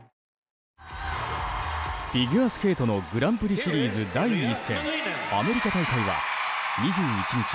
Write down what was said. フィギュアスケートのグランプリシリーズ第１戦アメリカ大会は２１日